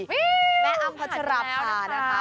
แม้อำทัศนาผ่านนะคะ